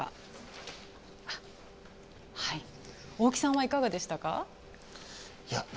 大木さんはいかがでしたか？